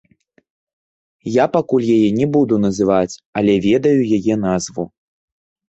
Я пакуль яе не буду называць, але ведаю яе назву.